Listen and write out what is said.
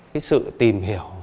cái sự tìm hiểu